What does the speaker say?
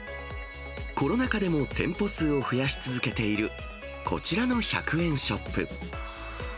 コロナ禍でも店舗数を増やし続けている、こちらの１００円ショップ。